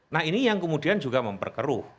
nah ini yang kemudian juga memperkeruh